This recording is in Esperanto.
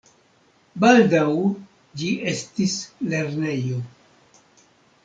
Baldaŭ ĝi estis lernejo.